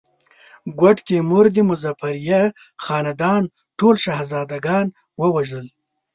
ګوډ تیمور د مظفریه خاندان ټول شهزاده ګان ووژل.